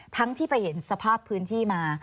ทั้งที่ไปเห็นสภาพพื้นที่มา